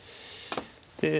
で。